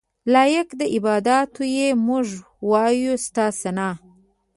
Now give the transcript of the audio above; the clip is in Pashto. لایق د عباداتو یې موږ وایو ستا ثناء.